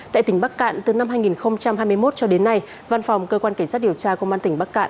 tại tỉnh bắc cạn từ năm hai nghìn hai mươi một cho đến nay văn phòng cơ quan cảnh sát điều tra công an tỉnh bắc cạn